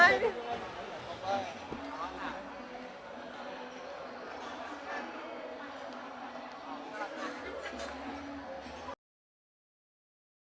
ยืน